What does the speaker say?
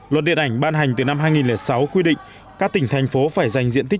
luật điện ảnh ban hành từ năm hai nghìn sáu quy định các tỉnh thành phố phải dành diện tích